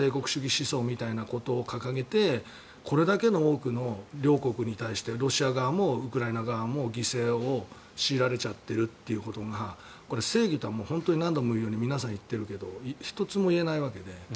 思想みたいなことを掲げてこれだけの多くの両国に対してロシア側もウクライナ側も犠牲を強いられちゃってるってことがこれ、正義とは本当に何度も言うように皆さん言っているけど１つも言えないわけで。